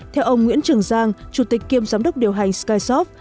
theo ông nguyễn trường giang chủ tịch kiêm giám đốc điều hành skyshop